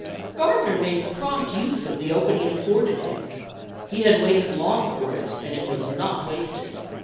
Gardiner made prompt use of the opening afforded him; he had waited long for it, and it was not wasted.